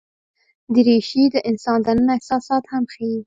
دریشي د انسان دننه احساسات هم ښيي.